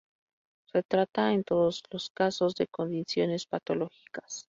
Se trata, en todos los casos de condiciones patológicas.